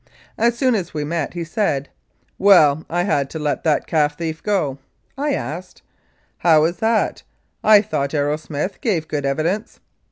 As soon as we met he said, "Well, I had to let that calf thief go." I asked, "How was that? I thought Arrowsmith gave good evidence."